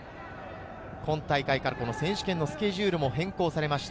今大会から選手権のスケジュールも変更されました。